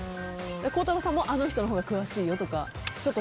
孝太郎さんもあの人のほうが詳しいよとか